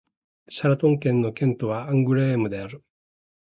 シャラント県の県都はアングレームである